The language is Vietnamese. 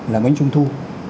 là bánh trung thu